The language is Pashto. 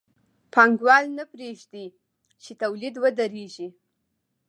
پانګوال نه پرېږدي چې تولید ودرېږي